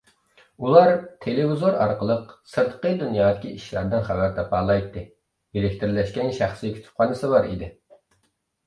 ئۇلار تېلېۋىزور ئارقىلىق سىرتقى دۇنيادىكى ئىشلاردىن خەۋەر تاپالايتتى ئېلېكترلەشكەن شەخسىي كۇتۇپخانىسى بار ئىدى.